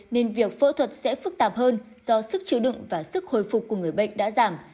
nên việc phẫu thuật sẽ phức tạp hơn do sức chứa đựng và sức hồi phục của người bệnh đã giảm